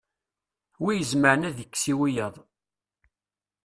wi izemren ad ikkes i wiyaḍ